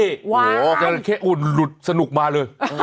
จราเข้อุดสนุกมาเลย